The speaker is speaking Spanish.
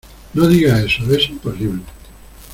no digas eso... ¡ es imposible!